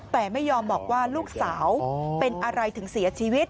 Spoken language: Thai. แต่ไม่ยอมบอกว่าลูกสาวเป็นอะไรถึงเสียชีวิต